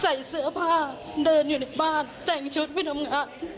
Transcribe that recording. ใส่เสื้อผ้าเดินอยู่ในบ้านแต่งชุดไปทำงาน